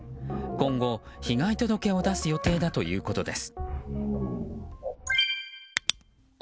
今後、被害届を出す予定だということです。